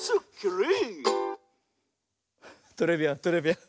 トレビアントレビアン。